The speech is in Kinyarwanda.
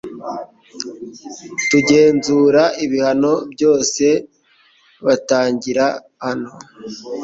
Tugenzura ibihano byose batangira hano .